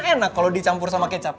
kan enak kalo dicampur sama kecap